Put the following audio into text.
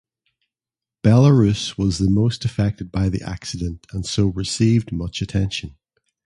Belarus was the most affected by the accident and so received much attention.